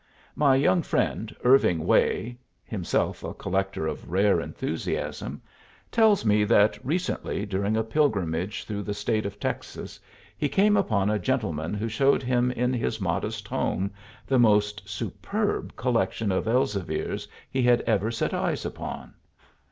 My young friend Irving Way (himself a collector of rare enthusiasm) tells me that recently during a pilgrimage through the state of Texas he came upon a gentleman who showed him in his modest home the most superb collection of Elzevirs he had ever set eyes upon!